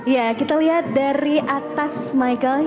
ya kita lihat dari atas michael